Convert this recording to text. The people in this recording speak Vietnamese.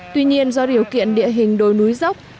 tuy nhiên do điều kiện địa hình đồi núi dốc